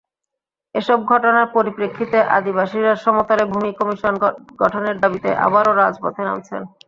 এসব ঘটনার পরিপ্রেক্ষিতে আদিবাসীরা সমতলে ভূমি কমিশন গঠনের দাবিতে আবারও রাজপথে নামছেন।